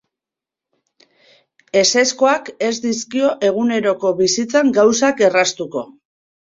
Ezezkoak ez dizkio eguneroko bizitzan gauzak erraztuko.